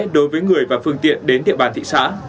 đối với người và phương tiện đến địa bàn thị xã